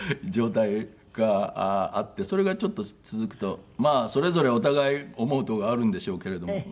それがちょっと続くとそれぞれお互い思うとこあるんでしょうけれども。